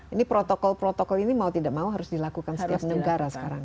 ini protokol protokol ini mau tidak mau harus dilakukan setiap negara sekarang